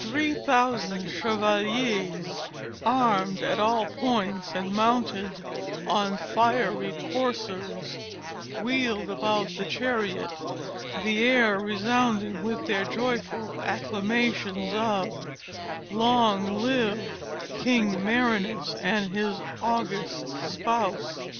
Three thousand chevaliers, armed at all points and mounted on fiery coursers, wheeled about the chariot, the air resounding with their joyful acclamations of "_Long live King Merinous and his august spouse!